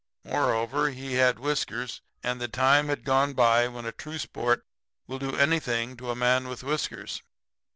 Moreover, he had whiskers, and the time had gone by when a true sport will do anything to a man with whiskers.